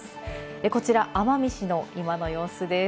こちら、奄美市の今の様子です。